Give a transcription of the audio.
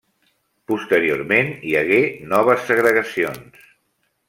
Posteriorment hi hagué noves segregacions.